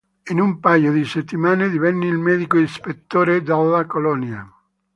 In un paio di settimane divenne il Medico Ispettore della colonia.